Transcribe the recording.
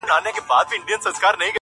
هغه سړی کلونه پس دی، راوتلی ښار ته،